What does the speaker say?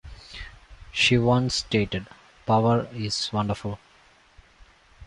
She once stated Power is wonderful.